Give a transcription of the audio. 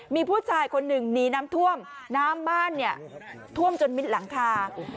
มีผู้ชายคนหนึ่งหนีน้ำท่วมน้ำบ้านเนี่ยท่วมจนมิดหลังคา